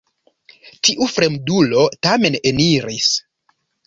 Tiu fremdulo tamen eniris.